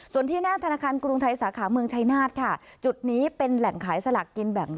ส่วนที่หน้าธนาคารกรุงไทยสาขาเมืองชายนาฏค่ะจุดนี้เป็นแหล่งขายสลากกินแบ่ง